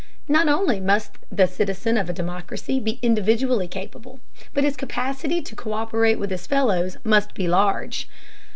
Not only must the citizen of a democracy be individually capable, but his capacity to co÷perate with his fellows must be large.